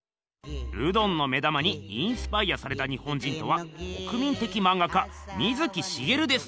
ルドンの目玉にインスパイアされた日本人とは国民的まんが家水木しげるです。